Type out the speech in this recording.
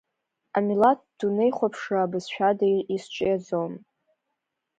Амилаҭтә дунеихәаԥшра абызшәада изҿиаӡом.